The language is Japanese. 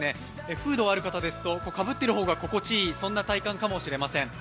フードある方ですとかぶっているほうが心地いいそんな体感かもしれません。